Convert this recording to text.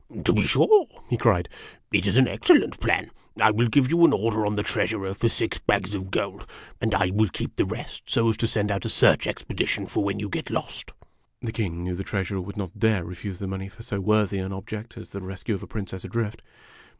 " To be sure," he cried. "It is an excellent plan. I will give you an order on the treasurer for six bags of gold, and I will keep the rest .so as to send out a search ex pedition for you when you get lost." The Kin<jf knew the treasurer would not dare O refuse the money for so worthy an object as the rescue of a princess adrift.